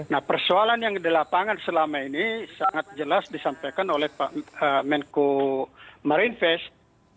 nah persoalan yang di lapangan selama ini sangat jelas disampaikan oleh pak menko marinvest